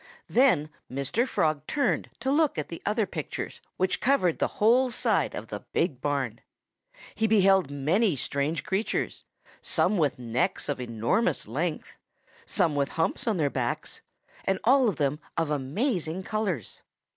Then Mr. Frog turned to look at the other pictures, which covered the whole side of the big barn. He beheld many strange creatures some with necks of enormous length, some with humps on their backs, and all of them of amazing colors.